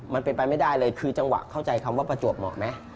มันเป็นไปไม่ได้เลยคือจังหวะเข้าใจคำว่าประจวบเหมาะไหม